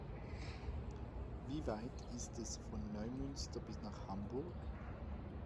Wie weit ist es von Neumünster bis nach Hamburg?